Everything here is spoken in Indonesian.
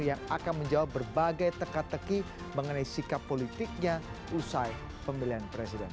yang akan menjawab berbagai teka teki mengenai sikap politiknya usai pemilihan presiden